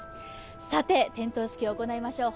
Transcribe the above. さて、点灯式を行いましょう。